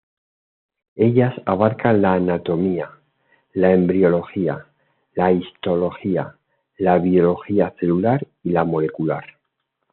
Ellas abarcan la anatomía, la embriología, la histología, la biología celular y la molecular.